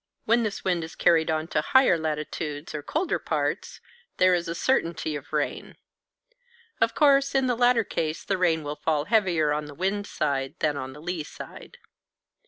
When this wind is carried on to higher latitudes, or colder parts, there is a certainty of rain. Of course, in the latter case the rain will fall heavier on the wind side than on the lee side.